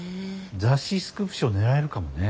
雑誌スクープ賞狙えるかもね。